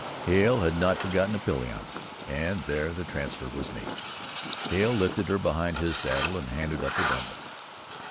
Hale had not forgotten a pillion and there the transfer was made. Hale lifted her behind his saddle and handed up her bundle.